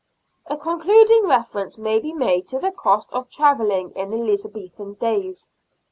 A concluding reference may be made to the cost of travelling in Elizabethan days.